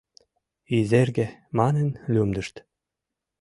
«Изерге» манын лӱмдышт.